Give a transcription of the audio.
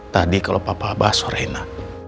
tadi kalau papa bahas horhena